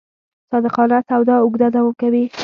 صادقانه سودا اوږده دوام کوي.